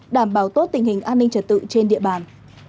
đảm bảo tốt tình hình an ninh trật tự trên địa bàn